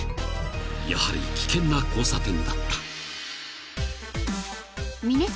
［やはり危険な交差点だった］